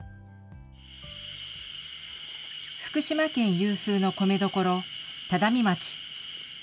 福島県有数の米どころ、只見町。